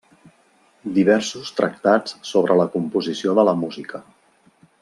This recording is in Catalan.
Diversos tractats sobre la composició de la música.